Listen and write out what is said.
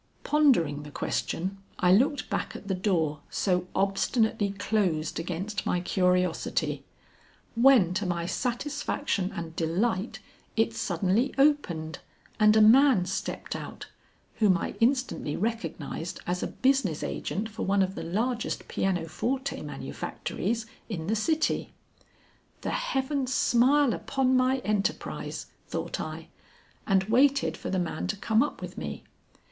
Pondering the question, I looked back at the door so obstinately closed against my curiosity, when to my satisfaction and delight it suddenly opened and a man stepped out, whom I instantly recognized as a business agent for one of the largest piano forte manufactories in the city. "The heavens smile upon my enterprise," thought I, and waited for the man to come up with me.